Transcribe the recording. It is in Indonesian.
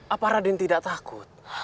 apa raden tidak takut